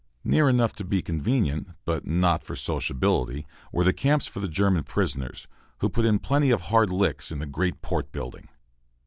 Near enough to be convenient, but not for sociability, were the camps for the German prisoners, who put in plenty of hard licks in the great port building.